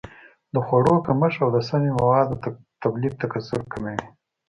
د خوړو کمښت او د سمي موادو تولید تکثر کموي.